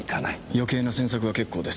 余計な詮索は結構です。